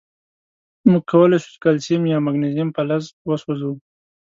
مونږ کولای شو چې کلسیم یا مګنیزیم فلز وسوځوو.